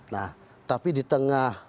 nah tapi di tengah